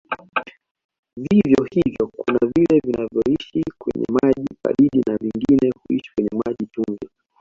Vivyo hivyo kuna vile vinavyoishi kwenye maji baridi na vingine huishi kwenye maji chumvi